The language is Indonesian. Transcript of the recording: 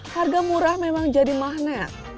harga murah memang jadi magnet